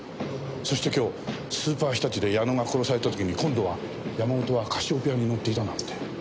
そして今日スーパーひたちで矢野が殺された時に今度は山本はカシオペアに乗っていたなんて。